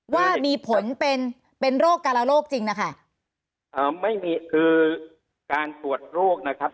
ว่ามีผลเป็นเป็นโรคการโรคจริงนะคะเอ่อไม่มีคือการตรวจโรคนะครับ